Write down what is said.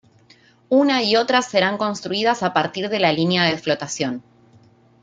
Una y otra serán construidas a partir de la línea de flotación.